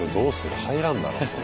入らんだろそれ。